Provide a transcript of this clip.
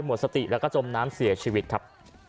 หมดสติแล้วก็จมน้ำเสียชีวิตครับ